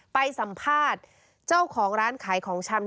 ไปสัมภาษณ์เจ้าของร้านขายของชำ